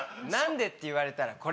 「何で」って言われたら。